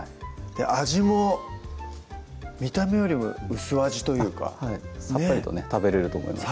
味も見た目よりも薄味というかさっぱりとね食べれると思います